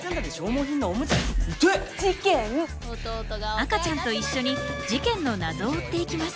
赤ちゃんと一緒に事件の謎を追っていきます。